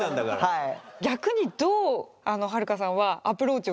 はい。